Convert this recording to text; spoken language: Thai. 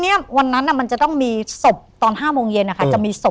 เก็บไว้ไม่ได้